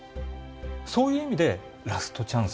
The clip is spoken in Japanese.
そういう意味でラストチャンス。